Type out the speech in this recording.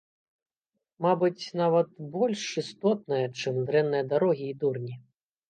Мабыць, нават больш істотная, чым дрэнныя дарогі і дурні.